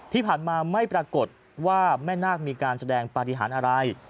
ที่ผ่านมาไม่ปรากฏว่าแม่นาคมีการแสดงปฏิหารอะไร